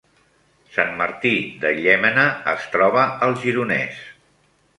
Sant Martí de Llémena es troba al Gironès